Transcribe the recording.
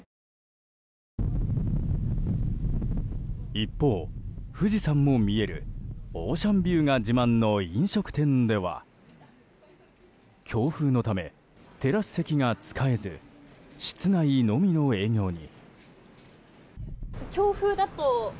一方、富士山も見えるオーシャンビューが自慢の飲食店では強風のためテラス席が使えず室内のみの営業に。